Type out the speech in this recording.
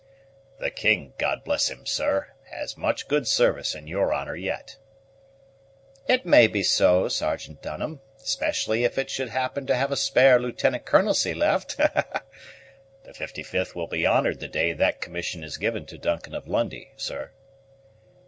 "The king, God bless him! sir, has much good service in your honor yet." "It may be so, Sergeant Dunham, especially if he should happen to have a spare lieutenant colonelcy left." "The 55th will be honored the day that commission is given to Duncan of Lundie, sir."